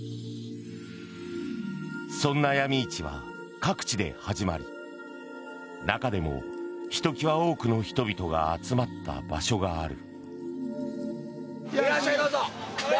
そんなヤミ市は各地で始まり中でもひときわ多くの人々が集まった場所がある。